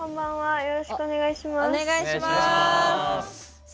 よろしくお願いします。